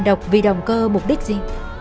đọc vì động cơ mục đích gì